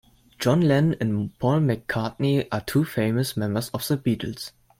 John Lennon and Paul McCartney are two famous members of the Beatles.